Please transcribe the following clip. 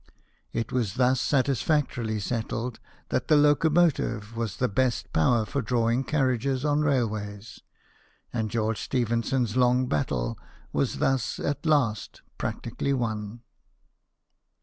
It was thus satisfactorily settled that the locomotive was the best power for drawing carriages on rail ways, and George Stephenson's long battle was thus at last practically won.